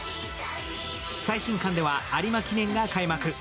最新刊では、有馬記念が開幕。